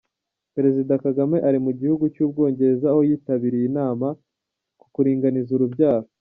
Perezida Kagame ari mu gihugu cy’u Bwongereza aho yitabiriye inama ku kuringaniza urubyaro.